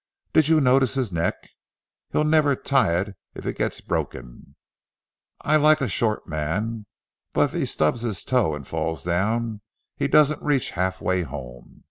Did you notice his neck?—he'll never tie it if it gets broken. I like a short man; if he stubs his toe and falls down he doesn't reach halfway home.